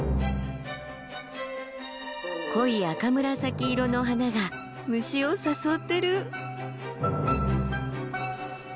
濃い赤紫色の花が虫を誘ってる。